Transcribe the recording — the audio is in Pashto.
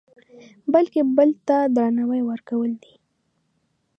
بلکې بل ته درناوی ورکول دي.